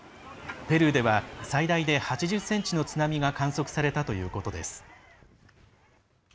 ペルーでは、最大で８０ｃｍの津波が観測されたということです。